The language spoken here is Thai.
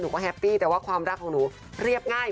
ว่าแฮปปี้แต่ว่าความรักของหนูเรียบง่าย